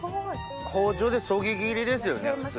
包丁でそぎ切りですよね普通。